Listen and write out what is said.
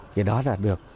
cái đó là được